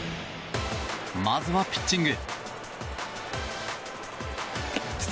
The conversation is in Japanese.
まずはピッチング。